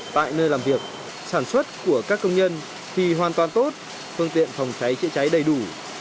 tại nơi làm việc sản xuất của các công nhân thì hoàn toàn tốt phương tiện phòng cháy chữa cháy đầy đủ